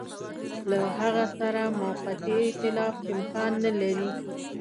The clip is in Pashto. له هغه سره موقتي ایتلاف امکان نه لري.